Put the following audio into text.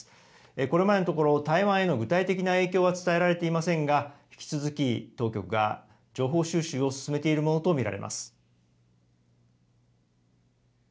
これまでのところ、台湾への具体的な影響は伝えられていませんが、引き続き当局が情報収集を進めているものと見られます。